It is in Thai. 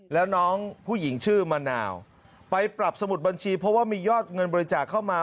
แล้วน้องผู้หญิงชื่อมะนาวไปปรับสมุดบัญชีเพราะว่ามียอดเงินบริจาคเข้ามา